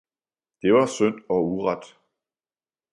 Det var synd og uret!